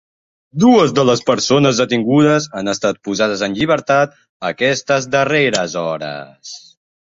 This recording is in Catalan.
Dues de les persones detingudes han estat posades en llibertat aquestes darreres hores.